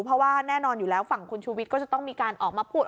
เพราะว่าแน่นอนอยู่แล้วฝั่งคุณชูวิทย์ก็จะต้องมีการออกมาพูด